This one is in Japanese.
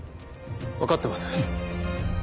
分かってます。